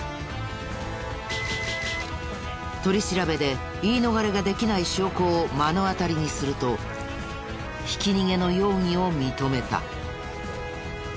取り調べで言い逃れができない証拠を目の当たりにするとひき逃げの容疑を認めた。